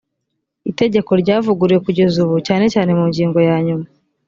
itegeko ryavuguruwe kugeza ubu cyane cyane mu ngingo yanyuma